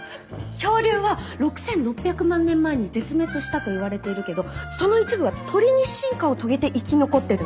恐竜は６，６００万年前に絶滅したといわれているけどその一部は鳥に進化を遂げて生き残ってるの。